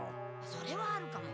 それはあるかも。